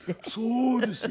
そうですよ。